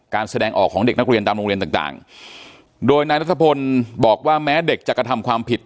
แสดงออกของเด็กนักเรียนตามโรงเรียนต่างโดยนายนัทพลบอกว่าแม้เด็กจะกระทำความผิด